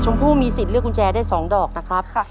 ผู้มีสิทธิ์เลือกกุญแจได้๒ดอกนะครับ